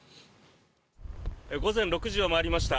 午前６時を回りました。